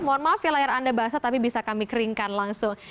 mohon maaf ya layar anda basah tapi bisa kami keringkan langsung